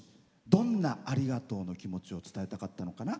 どんな、ありがとうの気持ちを伝えたかったのかな？